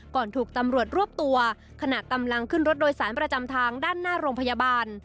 ถูกตำรวจรวบตัวขณะกำลังขึ้นรถโดยสารประจำทางด้านหน้าโรงพยาบาล